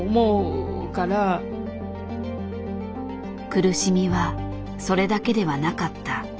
苦しみはそれだけではなかった。